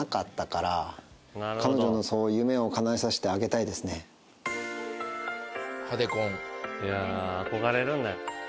いや憧れるんだ。